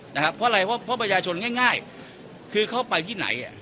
นะครับเพราะอะไรเพราะเพราะประชาชนง่ายง่ายคือเขาไปที่ไหน